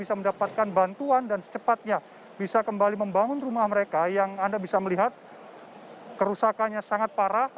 bisa mendapatkan bantuan dan secepatnya bisa kembali membangun rumah mereka yang anda bisa melihat kerusakannya sangat parah